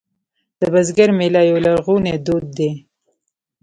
د بزګر میله یو لرغونی دود دی